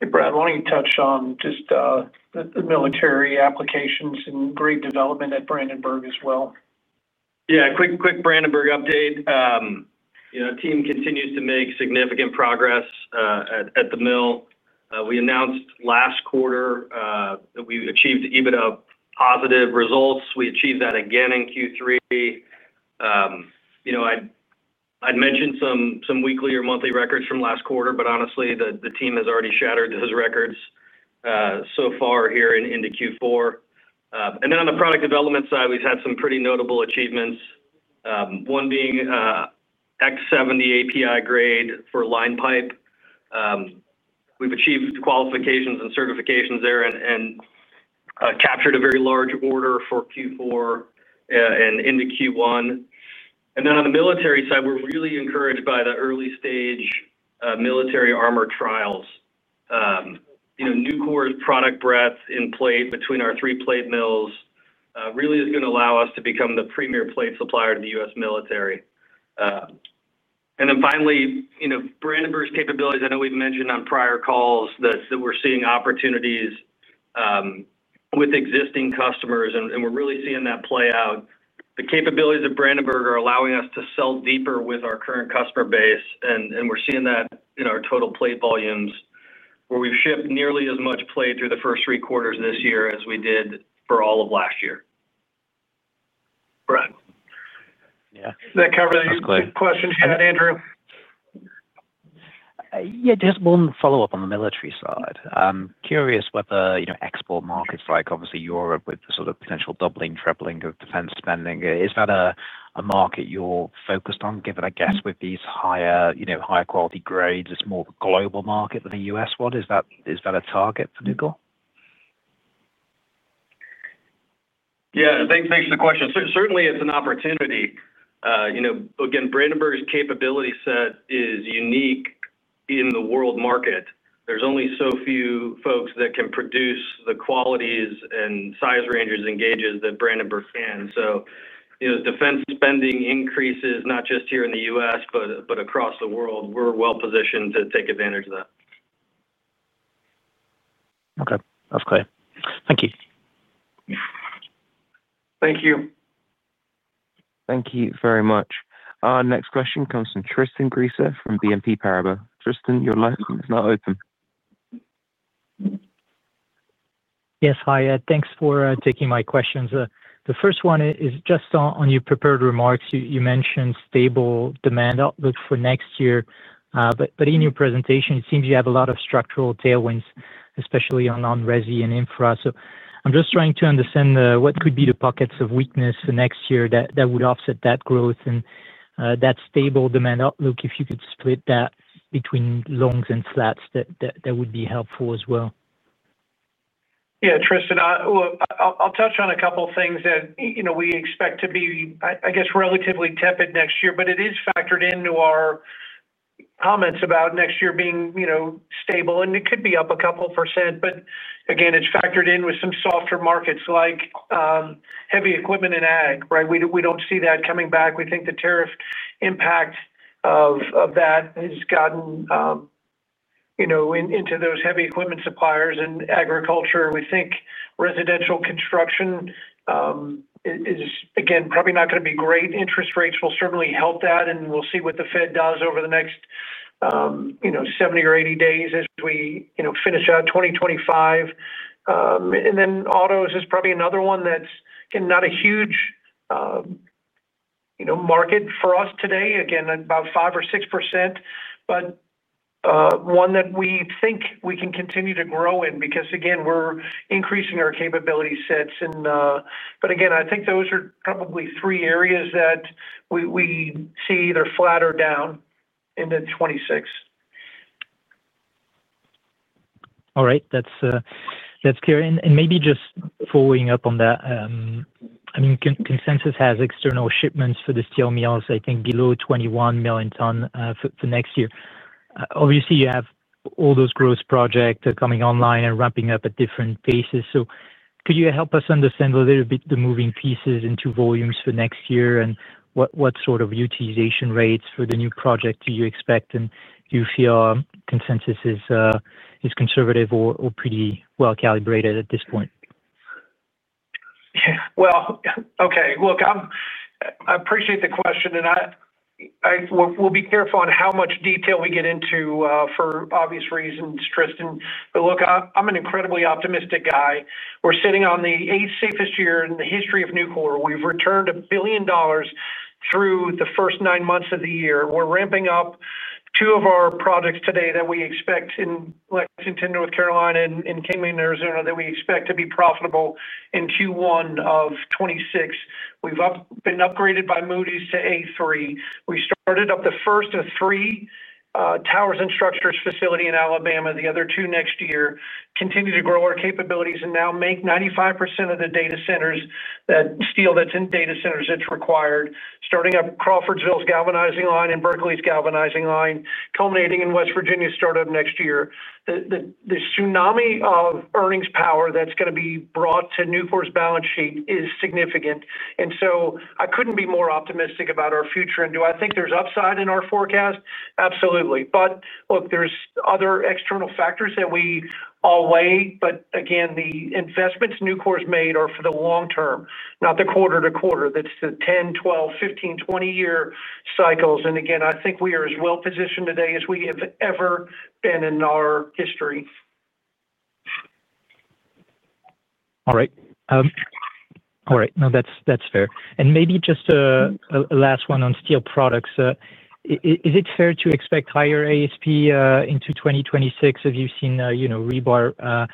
Hey, Brad, why don't you touch on just the military applications and great development at Brandenburg as well? Yeah, quick Brandenburg update. The team continues to make significant progress at the mill. We announced last quarter that we achieved EBITDA positive results. We achieved that again in Q3. I'd mentioned some weekly or monthly records from last quarter, but honestly, the team has already shattered those records so far here into Q4. On the product development side, we've had some pretty notable achievements, one being X70 API grade for line pipe. We've achieved qualifications and certifications there and captured a very large order for Q4 and into Q1. On the military side, we're really encouraged by the early-stage military armor trials. Nucor's product breadth in plate between our three plate mills really is going to allow us to become the premier plate supplier to the U.S. military. Finally, Brandenburg's capabilities, I know we've mentioned on prior calls that we're seeing opportunities with existing customers, and we're really seeing that play out. The capabilities of Brandenburg are allowing us to sell deeper with our current customer base, and we're seeing that in our total plate volumes, where we've shipped nearly as much plate through the first three quarters this year as we did for all of last year. Yeah. Does that cover the questions you had, Andrew? Yeah, just one follow-up on the military side. I'm curious whether, you know, export markets like obviously Europe with the sort of potential doubling, tripling of defense spending, is that a market you're focused on, given, I guess, with these higher, you know, higher quality grades? It's more of a global market than a U.S. one. Is that a target for Nucor? Yeah, thanks for the question. Certainly, it's an opportunity. Again, Brandenburg's capability set is unique in the world market. There's only so few folks that can produce the qualities and size ranges and gauges that Brandenburg can. Defense spending increases not just here in the U.S., but across the world. We're well positioned to take advantage of that. Okay, that's clear. Thank you. Thank you. Thank you very much. Our next question comes from Tristan Gresser from BNP Paribas. Tristan, your line is now open. Yes, hi, and thanks for taking my questions. The first one is just on your prepared remarks. You mentioned stable demand outlook for next year. In your presentation, it seems you have a lot of structural tailwinds, especially on non-resi and infra. I'm just trying to understand what could be the pockets of weakness for next year that would offset that growth and that stable demand outlook. If you could split that between longs and flats, that would be helpful as well. Yeah, Tristan, I'll touch on a couple of things that we expect to be, I guess, relatively tepid next year, but it is factored into our comments about next year being, you know, stable. It could be up a couple %, but again, it's factored in with some softer markets like heavy equipment and ag, right? We don't see that coming back. We think the tariff impact of that has gotten into those heavy equipment suppliers and agriculture. We think residential construction is, again, probably not going to be great. Interest rates will certainly help that, and we'll see what the Fed does over the next 70 or 80 days as we finish out 2025. Autos is probably another one that's not a huge market for us today. Again, about 5 or 6%, but one that we think we can continue to grow in because, again, we're increasing our capability sets. I think those are probably three areas that we see either flat or down into 2026. All right, that's clear. Maybe just following up on that, I mean, consensus has external shipments for the steel mills, I think, below 21 million tons for next year. Obviously, you have all those growth projects coming online and ramping up at different paces. Could you help us understand a little bit the moving pieces into volumes for next year and what sort of utilization rates for the new project do you expect? Do you feel consensus is conservative or pretty well calibrated at this point? Okay. I appreciate the question, and we'll be careful on how much detail we get into for obvious reasons, Tristan. I'm an incredibly optimistic guy. We're sitting on the eighth safest year in the history of Nucor. We've returned $1 billion through the first nine months of the year. We're ramping up two of our projects today that we expect in Lexington, North Carolina, and in Kingman, Arizona, that we expect to be profitable in Q1 of 2026. We've been upgraded by Moody’s to A3. We started up the first of three towers and structures facilities in Alabama, the other two next year. Continue to grow our capabilities and now make 95% of the data centers that steel that's in data centers that's required, starting up Crawfordsville's galvanizing line and Berkeley's galvanizing line, culminating in West Virginia startup next year. The tsunami of earnings power that's going to be brought to Nucor's balance sheet is significant. I couldn't be more optimistic about our future. Do I think there's upside in our forecast? Absolutely. There are other external factors that we all weigh. The investments Nucor's made are for the long term, not the quarter to quarter. That's the 10, 12, 15, 20-year cycles. I think we are as well positioned today as we have ever been in our history. All right. No, that's fair. Maybe just a last one on steel products. Is it fair to expect higher ASP into 2026? Have you seen rebar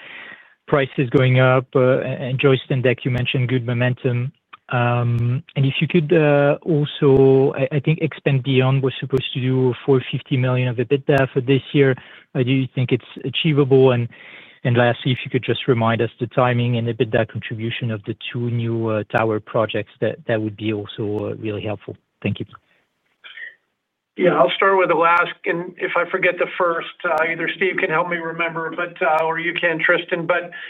prices going up? Joist and Deck, you mentioned good momentum. If you could also, I think, expand beyond what we're supposed to do for $50 million of EBITDA for this year, do you think it's achievable? Lastly, if you could just remind us the timing and EBITDA contribution of the two new tower projects, that would be also really helpful. Thank you. Yeah, I'll start with the last. If I forget the first, either Steve can help me remember, or you can, Tristan.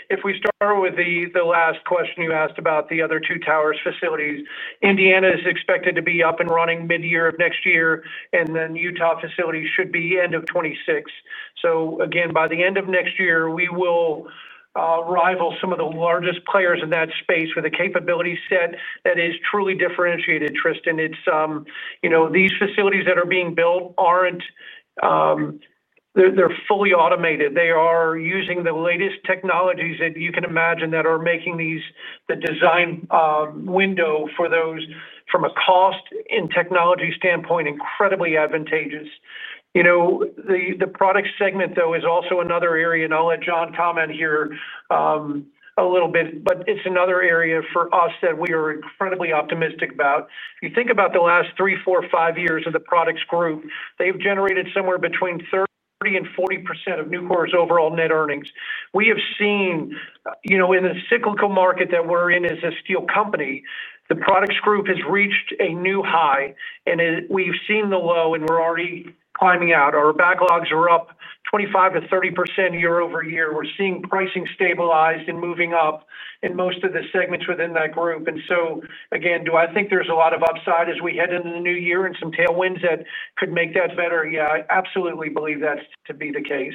If we start with the last question you asked about the other two towers facilities, Indiana is expected to be up and running mid-year of next year, and then Utah facilities should be end of 2026. By the end of next year, we will rival some of the largest players in that space with a capability set that is truly differentiated, Tristan. These facilities that are being built are fully automated. They are using the latest technologies that you can imagine that are making the design window for those from a cost and technology standpoint incredibly advantageous. The product segment, though, is also another area, and I'll let John comment here a little bit, but it's another area for us that we are incredibly optimistic about. If you think about the last three, four, or five years of the products group, they've generated somewhere between 30% and 40% of Nucor's overall net earnings. We have seen, in the cyclical market that we're in as a steel company, the products group has reached a new high, and we've seen the low, and we're already climbing out. Our backlogs are up 25%-30% year-over-year. We're seeing pricing stabilize and moving up in most of the segments within that group. Do I think there's a lot of upside as we head into the new year and some tailwinds that could make that better? Yeah, I absolutely believe that to be the case.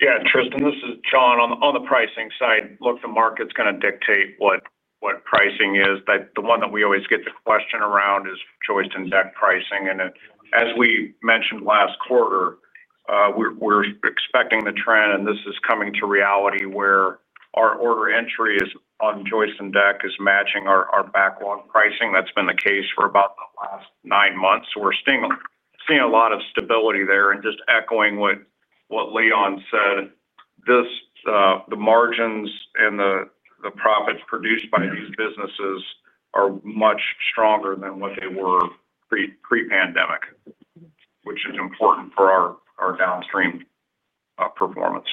Yeah, Tristan, this is John on the pricing side. Look, the market's going to dictate what pricing is. The one that we always get the question around is Joist and Deck pricing. As we mentioned last quarter, we're expecting the trend, and this is coming to reality where our order entry on Joist and Deck is matching our backlog pricing. That's been the case for about the last nine months. We're seeing a lot of stability there. Just echoing what Leon said, the margins and the profits produced by these businesses are much stronger than what they were pre-pandemic, which is important for our downstream performance.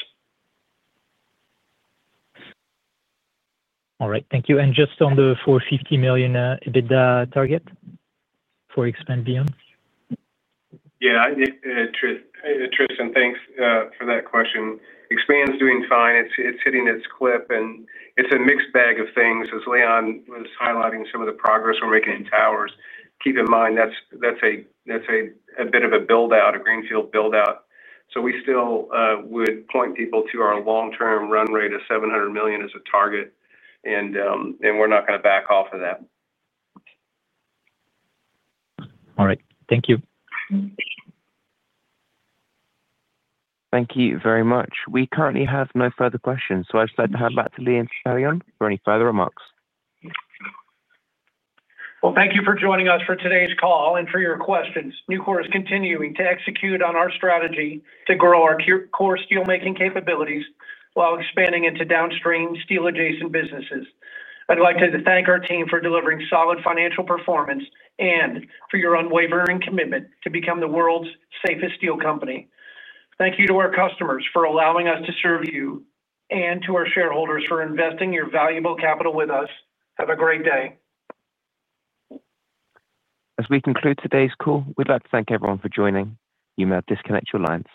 All right, thank you. Just on the $450 million EBITDA target for expand beyond? Yeah, Tristan, thanks for that question. Expand's doing fine. It's hitting its clip, and it's a mixed bag of things. As Leon was highlighting some of the progress we're making in towers, keep in mind that's a bit of a build-out, a greenfield build-out. We still would point people to our long-term run rate of $700 million as a target, and we're not going to back off of that. All right, thank you. Thank you very much. We currently have no further questions, so I'd just like to hand back to Leon for any further remarks. Thank you for joining us for today's call and for your questions. Nucor is continuing to execute on our strategy to grow our core steelmaking capabilities while expanding into downstream steel-adjacent businesses. I'd like to thank our team for delivering solid financial performance and for your unwavering commitment to become the world's safest steel company. Thank you to our customers for allowing us to serve you and to our shareholders for investing your valuable capital with us. Have a great day. As we conclude today's call, we'd like to thank everyone for joining. You may disconnect your lines.